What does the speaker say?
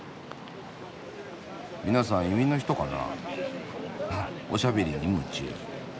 皆さん移民の人かな？ははっおしゃべりに夢中。